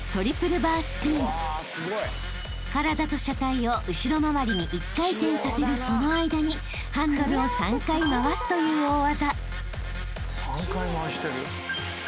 ［体と車体を後ろ回りに１回転させるその間にハンドルを３回回すという大技］